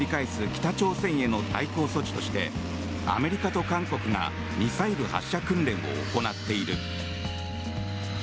北朝鮮への対抗措置としてアメリカと韓国がミサイル発射訓練を行っている。